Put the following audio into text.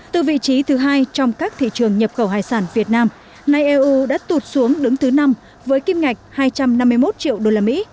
từ vị trí thứ hai trong các thị trường nhập khẩu hải sản việt nam nay eu đã tụt xuống đứng thứ năm với kim ngạch hai trăm năm mươi một triệu đô la mỹ